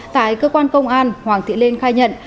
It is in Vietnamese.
tại cơ quan công an hoàng thị lên khai nhận